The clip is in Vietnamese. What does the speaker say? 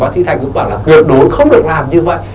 bác sĩ thành cũng bảo là tuyệt đối không được làm như vậy